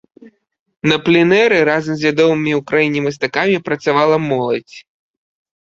На пленэры разам з вядомымі ў краіне мастакамі працавала моладзь.